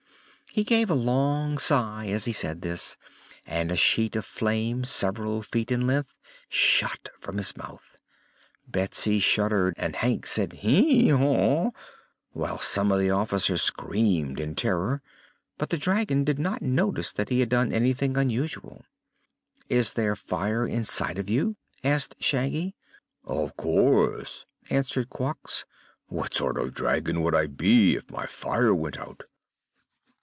He gave a long sigh, as he said this, and a sheet of flame, several feet in length, shot from his mouth. Betsy shuddered and Hank said "Hee haw!" while some of the officers screamed in terror. But the dragon did not notice that he had done anything unusual. "Is there fire inside of you?" asked Shaggy. "Of course," answered Quox. "What sort of a dragon would I be if my fire went out?"